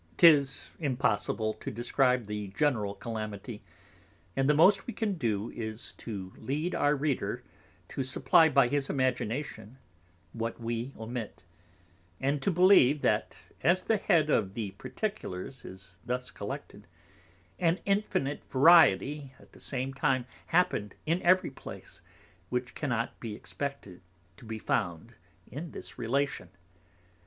'Tis impossible to describe the general Calamity, and the most we can do is, to lead our Reader to supply by his Immagination what we omit; and to believe, that as the Head of the particulars is thus collected, an infinite Variety at the same time happened in every place, which cannot be expected to be found in this Relation.